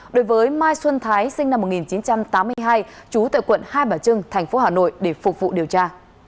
đối với mai xuân thái sinh năm một nghìn chín trăm tám mươi hai trú tại quận hai bà trưng thành phố hà nội để phục vụ điều tra